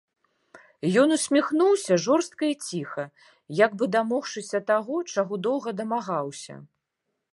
Ён усміхнуўся жорстка і ціха, як бы дамогшыся таго, чаго доўга дамагаўся.